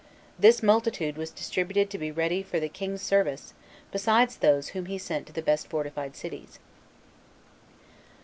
This multitude was distributed to be ready for the king's service, besides those whom he sent to the best fortified cities.